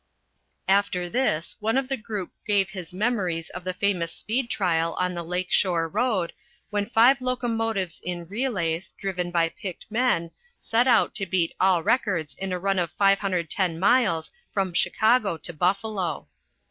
After this one of the group gave his memories of the famous speed trial on the Lake Shore road, when five locomotives in relays, driven by picked men, set out to beat all records in a run of 510 miles from Chicago to Buffalo.